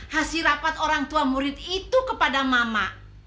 hasil rapat orang tua murid itu kepada mama